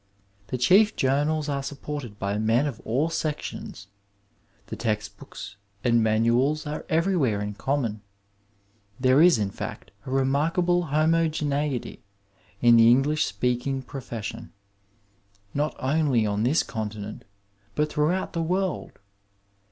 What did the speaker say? The chief journals are supported by men of all sections. The text books and manuab are everywhere in common ; there is, in fact, a remarkable homogeneity in the English speak ing profession, not only on this continent bat throughout the world.